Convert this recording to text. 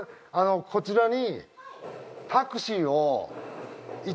こちらに。